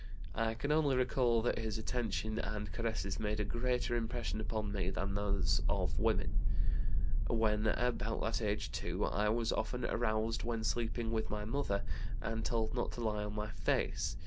I can only recall that his attention and caresses made a greater impression upon me than those of women. When about that age too I was often aroused when sleeping with my mother, and told not to lie on my face.